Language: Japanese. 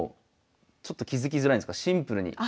ちょっと気付きづらいんですがシンプルに。